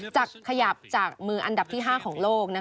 จะขยับจากมืออันดับที่๕ของโลก